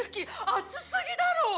熱すぎだろ！